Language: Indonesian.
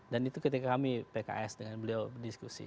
dan itu ketika kami pks dengan beliau berdiskusi